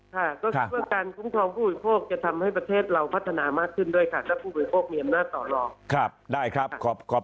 การคุ้มครองผู้บริโภคก็ทำให้ประเทศเราพัฒนามากขึ้นด้วยต่ออย่างน้าตอนลอดได้ครับขอบครับ